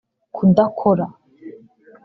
kudakora